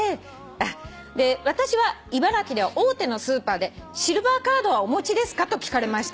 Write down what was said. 「私は茨城では大手のスーパーで『シルバーカードはお持ちですか？』と聞かれました」